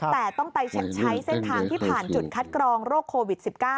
แต่ต้องไปใช้เส้นทางที่ผ่านจุดคัดกรองโรคโควิด๑๙